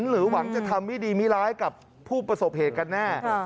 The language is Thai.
หรือหวังจะทำไม่ดีไม่ร้ายกับผู้ประสบเหตุกันแน่